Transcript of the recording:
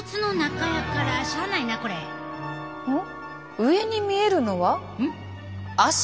上に見えるのは足！？